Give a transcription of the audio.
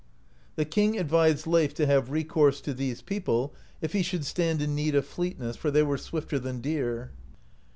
The king advised Leif to have recourse to these people, if he should stand in need of fleetness, for they were swifter than deer.